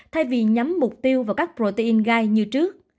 thay vì nhắm mục tiêu vào các protein gai như trước